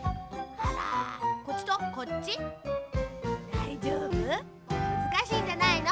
だいじょうぶ？むずかしいんじゃないの？